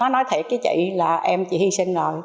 nói thiệt với chị là em chị hy sinh rồi